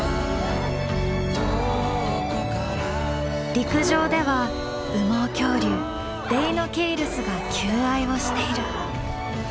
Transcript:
陸上では羽毛恐竜デイノケイルスが求愛をしている。